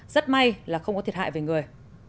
rất may là không có thiệt hại về người